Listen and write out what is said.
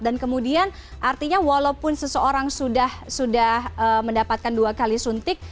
dan kemudian artinya walaupun seseorang sudah mendapatkan dua kali suntik